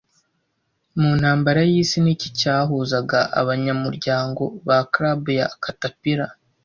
Mu intambara y'isi niki cyahuzaga abanyamuryango ba club ya Caterpillar